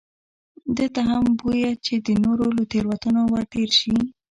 ده ته هم بویه چې د نورو له تېروتنو ورتېر شي.